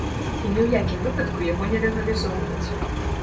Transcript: І ні ў якім выпадку яго не легалізоўваць.